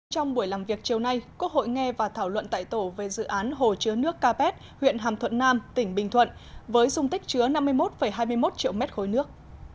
trong buổi làm việc chiều nay quốc hội nghe và thảo luận tại tổ về dự án hồ chứa nước capet huyện hàm thuận nam tỉnh bình thuận với dung tích chứa năm mươi một hai mươi một triệu mét khối nước